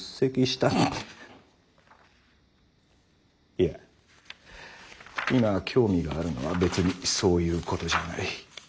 いや今興味があるのは別にそういうことじゃあない。